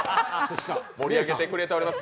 盛り上げてくれております。